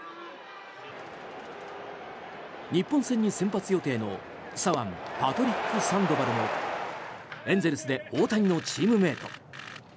日本戦に先発予定の左腕パトリック・サンドバルもエンゼルスで大谷のチームメート。